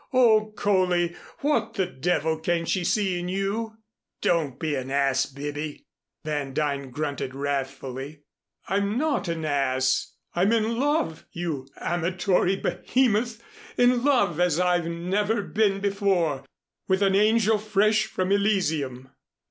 Oh, Coley, what the devil can she see in you?" "Don't be an ass, Bibby," Van Duyn grunted wrathfully. "I'm not an ass. I'm in love, you amatory Behemoth, in love as I've never been before with an angel fresh from Elysium."